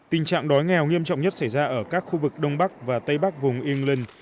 tình trạng đói nghèo nghiêm trọng nhất xảy ra ở các khu vực đông bắc và tây bắc vùng england